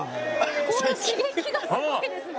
これ刺激がすごいですね。